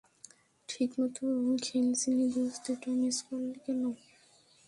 ঠিকমতো খেলছিলি, দোস্ত এটা মিস করলি কেন?